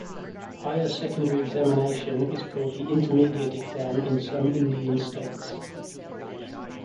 Higher Secondary Examination is called an Intermediate exam in some Indian states.